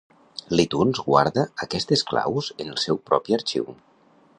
L'iTunes guarda aquestes claus en el seu propi arxiu.